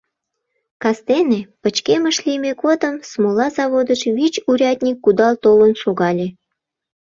Кастене, пычкемыш лийме годым, смола заводыш вич урядник кудал толын шогале.